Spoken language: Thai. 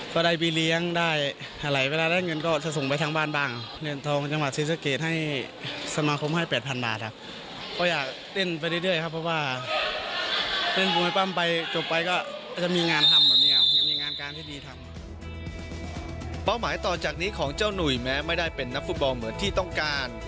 เป้าหมายต่อจากนี้ของเจ้าหนุ่ยแม้ไม่ได้เป็นนักฟุตบอลเหมือนที่ต้องการ